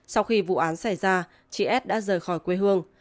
sau khi vụ án xảy ra chị s đã rời khỏi quê hương